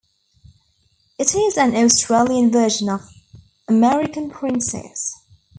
It is an Australian version of "American Princess".